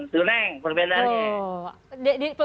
tuh neng perbedaannya